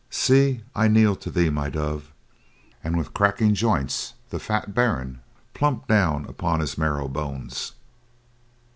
See, I kneel to thee, my dove!" And with cracking joints the fat baron plumped down upon his marrow bones.